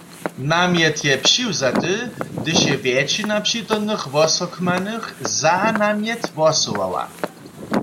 Namjet je přiwzaty, hdyž je wjetšina přitomnych hłosakmanych za namjet hłosowała.